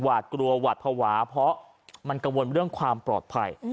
กลัวหวาดภาวะเพราะมันกังวลเรื่องความปลอดภัย